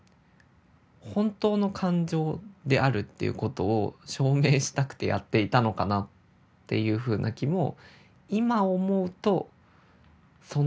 本当の感情であるっていうことを証明したくてやっていたのかなっていうふうな気も今思うとそんな気もします。